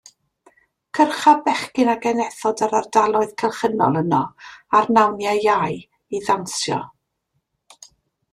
Cyrcha bechgyn a genethod yr ardaloedd cylchynol yno ar nawniau Iau i ddawnsio.